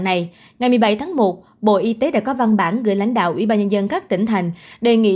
ngày một mươi bảy tháng một bộ y tế đã có văn bản gửi lãnh đạo ủy ban nhân dân các tỉnh thành đề nghị